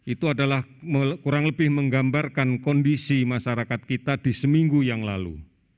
itu adalah kurang lebih menggambarkan kondisi masyarakat kita di seminggu yang lalu